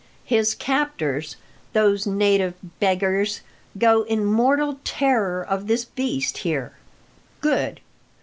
His captors those native beggars go in mortal terror of this beast here. Good!